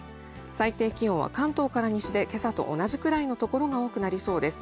最低気温は関東から西で今朝と同じくらいのところが多くなりそうです。